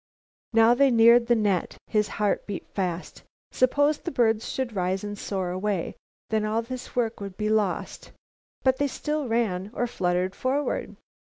Now they neared the net. His heart beat fast. Suppose the birds should rise and soar away? Then all this work would be lost. But they still ran or fluttered forward.